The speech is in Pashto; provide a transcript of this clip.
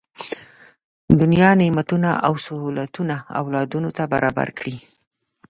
دنیا نعمتونه او سهولتونه اولادونو ته برابر کړي.